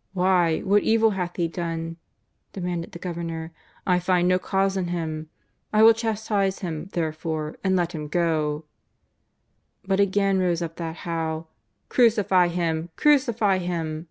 " Why, what evil hath He done ?" demanded the Governor. " I find no cause in Him. I will chastise Him, therefore, and let Him go." But again rose up that howl :" Crucify Him ! Crucify Him